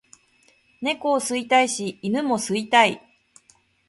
猫を吸いたいし犬も吸いたい